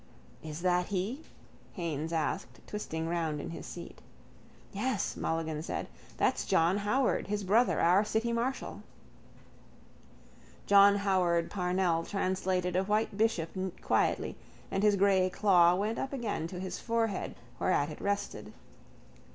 —Is that he? Haines asked, twisting round in his seat. —Yes, Mulligan said. That's John Howard, his brother, our city marshal. John Howard Parnell translated a white bishop quietly and his grey claw went up again to his forehead whereat it rested.